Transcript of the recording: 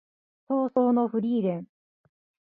葬送のフリーレン